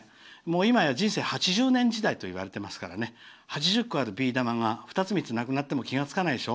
今は人生８０年時代といわれていますから８０個あるビー玉が２つ、３つなくなっても気が付かないでしょ。